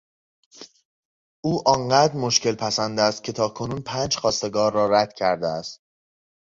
او آن قدر مشکلپسند است که تاکنون پنج خواستگار را رد کرده است.